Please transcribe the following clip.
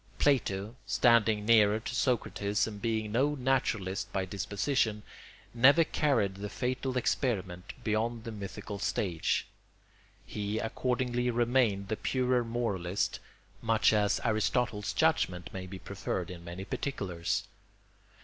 Plato, standing nearer to Socrates and being no naturalist by disposition, never carried the fatal experiment beyond the mythical stage. He accordingly remained the purer moralist, much as Aristotle's judgment may be preferred in many particulars.